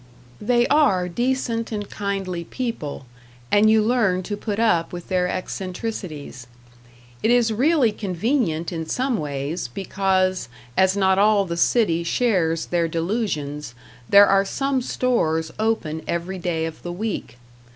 They are decent and kindly people, and you learn to put up with their eccentricities; it is really convenient in some ways, because, as not all the city shares their delusions, there are some stores open every day of the week.